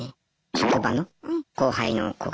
職場の後輩の子が。